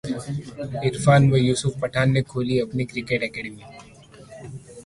इरफान व यूसुफ पठान ने खोली अपनी क्रिकेट अकादमी